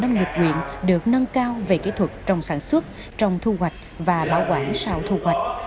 nông nghiệp quyện được nâng cao về kỹ thuật trong sản xuất trong thu hoạch và bảo quản sau thu hoạch